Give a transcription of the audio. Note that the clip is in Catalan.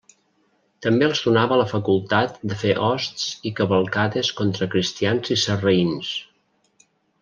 També els donava la facultat de fer hosts i cavalcades contra cristians i sarraïns.